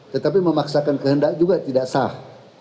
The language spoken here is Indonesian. tetapi memaksakan kehendak juga tidak sah